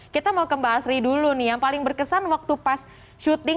kita mau ke mbak asri dulu nih yang paling berkesan waktu pas syuting